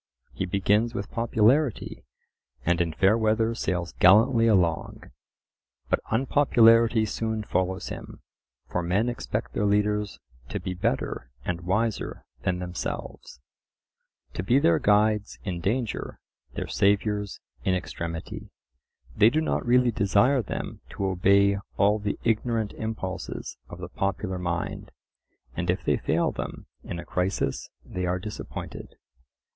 He begins with popularity, and in fair weather sails gallantly along. But unpopularity soon follows him. For men expect their leaders to be better and wiser than themselves: to be their guides in danger, their saviours in extremity; they do not really desire them to obey all the ignorant impulses of the popular mind; and if they fail them in a crisis they are disappointed.